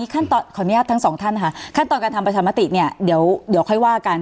ขออนุญาตทั้งสองท่านค่ะขั้นตอนการทำประชามติเนี่ยเดี๋ยวค่อยว่ากัน